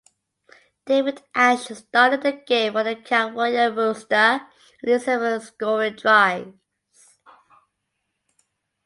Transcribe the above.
David Ash started the game for the California roster and lead several scoring drives.